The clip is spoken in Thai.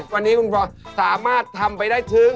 วันนี้คุณพลอยสามารถทำไปได้ถึง